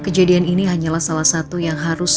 kejadian ini hanyalah salah satu yang harus